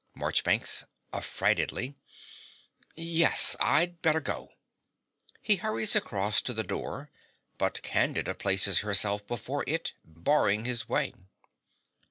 MARCHBANKS (affrightedly). Yes: I'd better go. .(He hurries across to the door; but Candida places herself before it, barring his way.)